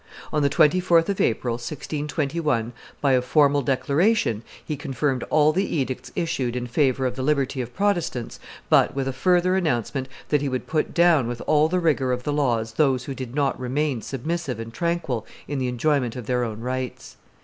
On the 24th of April, 1621, by a formal declaration, he confirmed all the edicts issued in favor of the liberty of Protestants, but with a further announcement that he would put down with all the rigor of the laws those who did not remain submissive and tranquil in the enjoyment of their own rights.